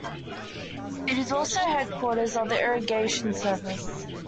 It is also headquarters of the Irrigation Service.